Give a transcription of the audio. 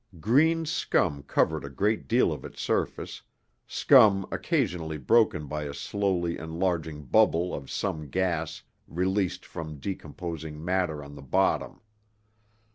Green scum covered a great deal of its surface, scum occasionally broken by a slowly enlarging bubble of some gas released from decomposing matter on the bottom.